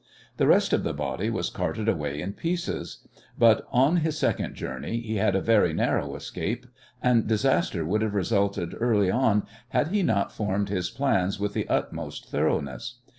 The rest of the body was carted away in pieces, but on his second journey he had a very narrow escape, and disaster would have resulted early on had he not formed his plans with the utmost thoroughness.